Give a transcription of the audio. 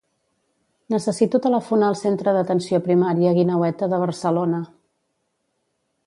Necessito telefonar al centre d'atenció primària Guineueta de Barcelona.